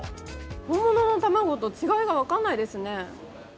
本物の卵と違いが分かんないですね。